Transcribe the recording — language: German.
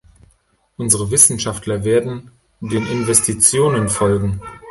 Unsere Wissenschaftler werden den Investitionen folgen.